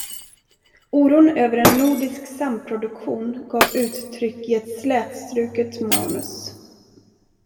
Oron över en nordisk samproduktion gav uttryck i ett slätstruket manus.